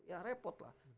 ya repot lah